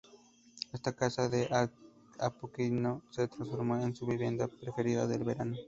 Esta casa de apoquindo se transformó en su vivienda preferida de verano.